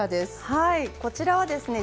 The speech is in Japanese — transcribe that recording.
はいこちらはですね